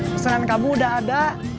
pesanan kamu udah ada